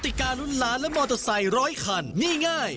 การุ้นล้านและมอเตอร์ไซค์ร้อยคันนี่ง่าย